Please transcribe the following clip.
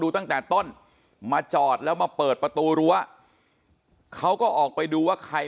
ตั้งแต่ต้นมาจอดแล้วมาเปิดประตูรั้วเขาก็ออกไปดูว่าใคร